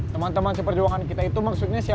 teman teman seperjuangan kita itu maksudnya siapa